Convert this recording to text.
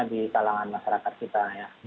di kalangan masyarakat kita